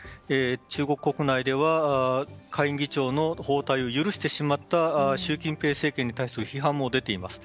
中国国内では下院議長の訪台を許してしまった習近平政権に対する批判も出ています。